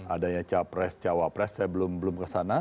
adanya capres cawapres saya belum kesana